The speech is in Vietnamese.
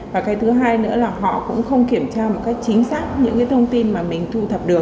và cái thứ hai nữa là họ cũng không kiểm tra một cách chính xác những cái thông tin mà mình thu thập được